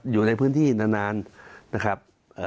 อยู่ในพื้นที่นานนะครับ